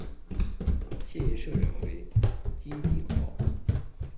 现任社长为金炳镐。